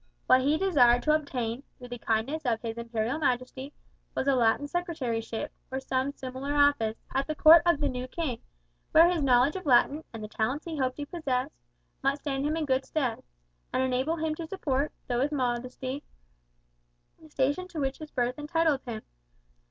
What he desired to obtain, through the kindness of His Imperial Majesty, was a Latin secretaryship, or some similar office, at the court of the new king, where his knowledge of Latin, and the talents he hoped he possessed, might stand him in good stead, and enable him to support, though with modesty, the station to which his birth entitled him.